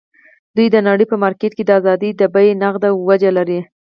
دوی د نړۍ په مارکېټ کې د ازادۍ د بیې نغده وجه لري.